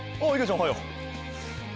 おはよう。